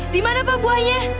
dimana pak buahnya